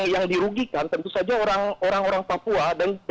yang dirugikan tentu saja orang orang papua